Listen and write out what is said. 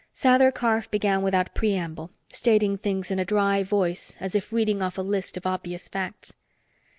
Sather Karf began without preamble, stating things in a dry voice as if reading off a list of obvious facts.